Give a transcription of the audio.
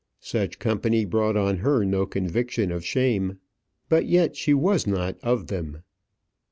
Such company brought on her no conviction of shame. But yet she was not of them.